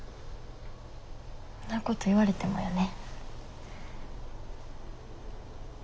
んなこと言われてもよね。